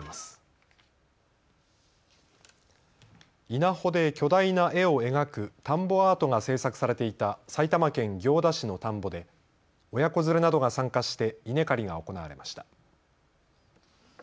稲穂で巨大な絵を描く田んぼアートが制作されていた埼玉県行田市の田んぼで親子連れなどが参加して稲刈りが行われました。